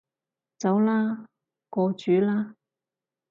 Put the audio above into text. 走啦，過主啦